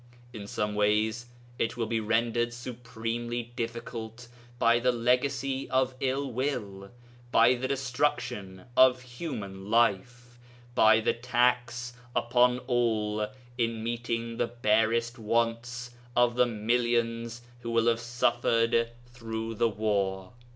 In some ways it will be rendered supremely difficult by the legacy of ill will, by the destruction of human life, by the tax upon all in meeting the barest wants of the millions who will have suffered through the war.